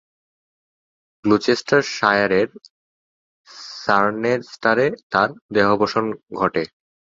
গ্লুচেস্টারশায়ারের সার্নেস্টারে তাঁর দেহাবসান ঘটে।